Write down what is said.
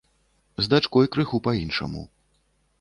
З дачкой крыху па-іншаму.